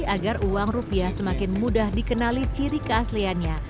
agar uang rupiah semakin mudah dikenali ciri keasliannya